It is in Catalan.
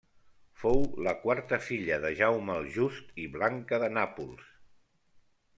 Fou la quarta filla de Jaume el Just i Blanca de Nàpols.